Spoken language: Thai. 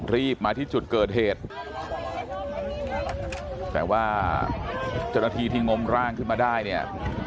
รีบมาที่จุดเกิดเหตุแต่ว่าเจ้าหน้าที่ที่งมร่างขึ้นมาได้เนี่ย